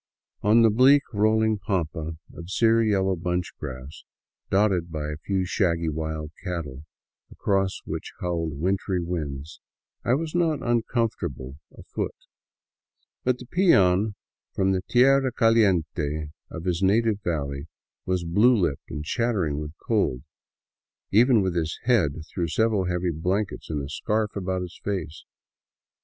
On the bleak, rolling pampa of sear yellow bunchgrass, dotted by a few shaggy wild cattle, across which howled wintry winds, I was not uncomfortable afoot; but the peon from the " tierra caliente " of his native valley was blue lipped and chattering with cold, even with his head through several heavy blankets and a scarf about his face.